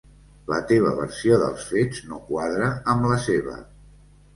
La teva versió dels fets no quadra amb la seva.